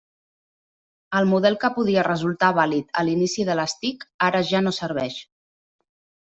El model que podia resultar vàlid a l'inici de les TIC, ara ja no serveix.